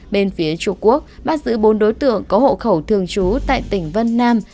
bên phía trung quốc bắt giữ bốn đối tượng có hộ khẩu thường trú tại tỉnh vân nam